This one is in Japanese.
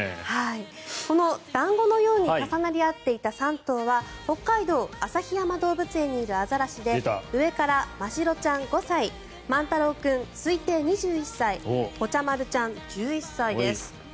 この団子のように重なり合っていた３頭は北海道・旭山動物園にいるアザラシで上から、ましろちゃん、５歳マンタロー君、推定２１歳ぽちゃ丸ちゃん、１１歳です。